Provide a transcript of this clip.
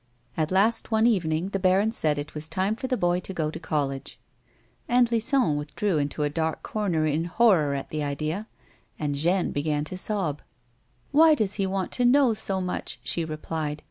At last one evening the baron said it was time for the boy to go to college. Aunt Lison withdrew into a dark corner in horror at the idea, and Jeanne began to sob. "Why does he want to know so much?" she replied.